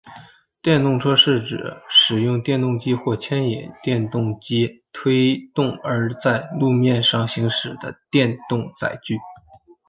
电动车是指使用电动机或牵引电动机推动而在路面上行驶的电动载具。